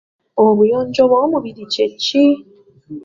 Obuyonjo bw'omubiri kye ki?